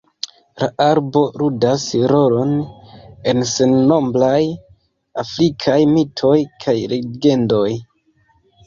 La arbo ludas rolon en sennombraj afrikaj mitoj kaj legendoj.